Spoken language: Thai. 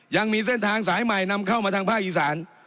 ยังมีเส้นทางสายใหม่นำเข้ามาทางภาคอีสาน